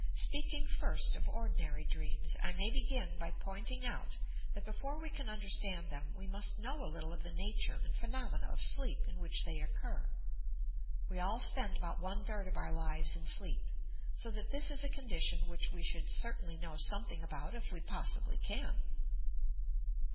Speaking first of ordinary dreams, I may be gin by pointing out that, before we can understand them, we must know a little of the nature and phenomena of sleep in which they occur. We all spend about one third of our lives in sleep, so that this is a condition which we should certainly know something about if we possibly can